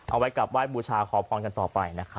เอาไว้กลับว่ายบูชาขอพรกันต่อไปนะคะ